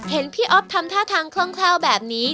เห็นพี่อ๊อฟทำท่าทางคล่องแคล่วแบบนี้